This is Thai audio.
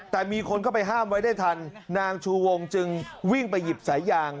แต่มีคนเข้าไปห้ามไว้ได้ทันนางชูวงจึงวิ่งไปหยิบสายยาง